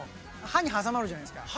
歯に挟まるじゃないですか。